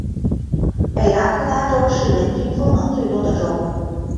北达科他州是人均风能最多的州。